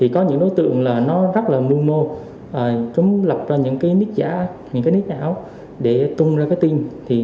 có những đối tượng rất là mưu mô chúng lọc ra những nét giả những nét ảo để tung ra cái tin